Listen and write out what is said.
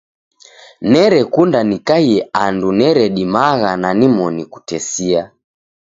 Nerekunda nikaie andu neredimagha na nimoni kutesia.